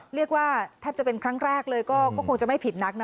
เรียกว่าแทบจะเป็นครั้งแรกเลยก็คงจะไม่ผิดนักนะ